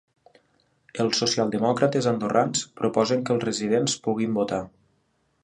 Els socialdemòcrates andorrans proposen que els residents puguin votar.